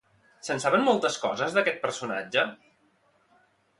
Se'n saben moltes coses d'aquest personatge?